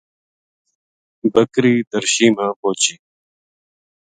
بکری درشی ما پوہچی